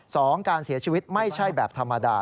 การเสียชีวิตไม่ใช่แบบธรรมดา